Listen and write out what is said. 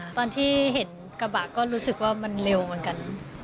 ตอนที่เห็นกระบะก็รู้สึกว่ามันเร็วเหมือนกัน